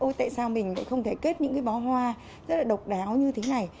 ôi tại sao mình lại không thể kết những cái bó hoa rất là độc đáo như thế này